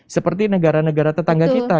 seperti negara negara tetangga kita